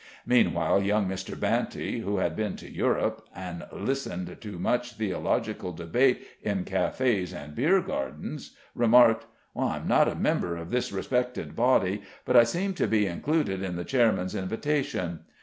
Meanwhile, young Mr. Banty, who had been to Europe, and listened to much theological debate in cafes and beer gardens, remarked: "I'm not a member of this respected body, but I seem to be included in the chairman's invitation.